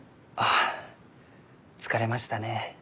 あ疲れましたね。